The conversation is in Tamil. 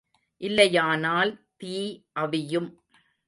இல்லையானால் தீ அவியும்.